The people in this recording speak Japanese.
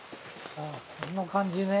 この感じね。